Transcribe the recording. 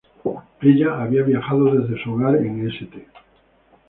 Ella había viajado desde su hogar en St.